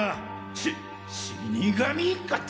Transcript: し死神一家って。